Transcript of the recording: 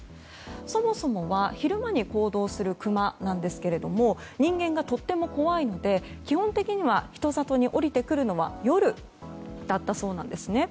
そもそもは昼間に行動するクマなんですけども人間がとっても怖いので基本的には人里に降りてくるのは夜だったそうなんですね。